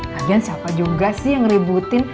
lagian siapa juga sih yang ngerebutin